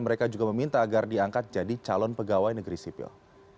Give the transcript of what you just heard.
mereka juga meminta agar diangkat jadi calon pegawai negeri sipil